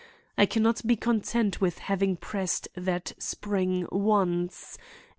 I can not be content with having pressed that spring once.